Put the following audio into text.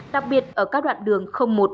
đặc biệt ở các đoạn đường